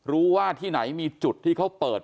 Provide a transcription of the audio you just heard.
ว่าที่ไหนมีจุดที่เขาเปิด